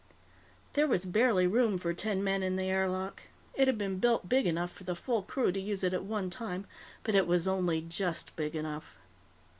There was barely room for ten men in the air lock. It had been built big enough for the full crew to use it at one time, but it was only just big enough.